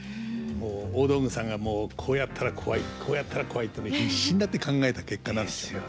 大道具さんがもうこうやったらコワいこうやったらコワいっていうの必死になって考えた結果なんですよ。